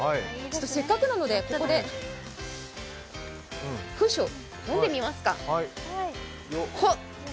せっかくなのでここで飲んでみますか。